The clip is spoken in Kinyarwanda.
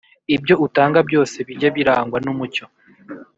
Ibyo utanga byose bijye birangwa n’umucyo,